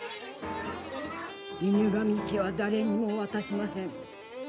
犬神家は誰にも渡しません。